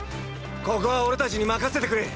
ここは俺たちに任せてくれ！